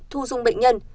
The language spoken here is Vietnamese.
thu dung bệnh nhân